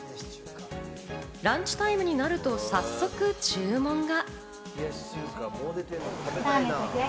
ランチタイムになると早速、注文が。